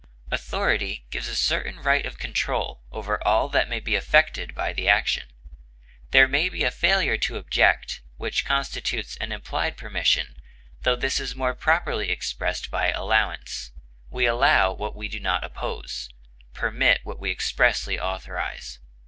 Authority gives a certain right of control over all that may be affected by the action. There may be a failure to object, which constitutes an implied permission, tho this is more properly expressed by allowance; we allow what we do not oppose, permit what we expressly authorize.